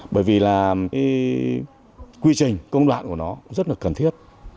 bởi vì quy trình công đoạn của nó rất là cần thiết